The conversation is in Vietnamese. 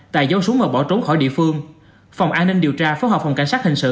tài dấu súng và bỏ trốn khỏi địa phương phòng an ninh điều tra phối hợp phòng cảnh sát hình sự